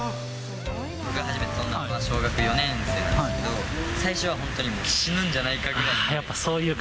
僕が初めて飛んだのは小学４年生なんですけど、最初は本当に死ぬんじゃないかくらいの。